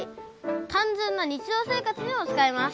単純な日常生活でも使えます。